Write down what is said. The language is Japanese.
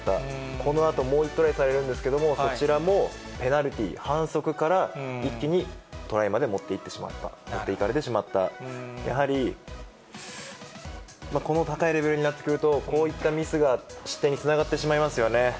このあと、もう１回トライされるんですけれども、そちらもペナルティー、反則から一気にトライまで持っていってしまった、持っていかれてしまった、やはり、この高いレベルになってくると、こういったミスが失点につながってしまいますよね。